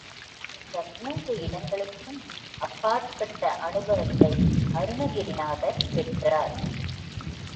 இந்த மூன்று இடங்களுக்கும் அப்பாற்பட்ட அநுபவத்தை அருணகிரிநாதர் பெற்றார்.